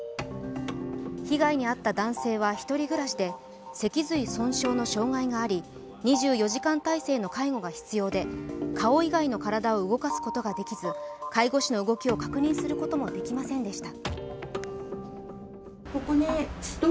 被害に遭った男性は１人暮らしで脊髄損傷の障害があり、２４時間体制の介護が必要で顔以外の体を動かすことができず介護士の動きを確認することもできませんでした。